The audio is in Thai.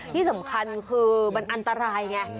ที่สำคัญคือมันอันตรายไง